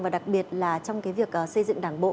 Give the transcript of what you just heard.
và đặc biệt là trong cái việc xây dựng đảng bộ